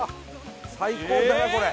最高だなこれ！